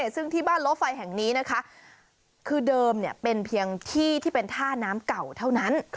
ซึ่งที่บ้านโลไฟแห่งนี้นะคะคือเดิมเป็นเพียงที่ที่เป็นท่าน้ำเก่าเท่านั้น